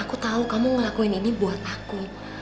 aku tahu kamu ngelakuin ini buat aku